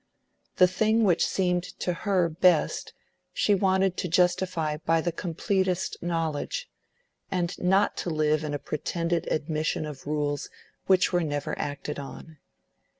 The thing which seemed to her best, she wanted to justify by the completest knowledge; and not to live in a pretended admission of rules which were never acted on.